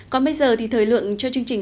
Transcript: còn bây giờ thì thời lượng cho chương trình